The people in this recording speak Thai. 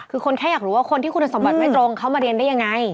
คือคนแค่อยากรู้ว่าคนที่คุณสมบัติไม่ตรงเขามาเรียนได้ยังไง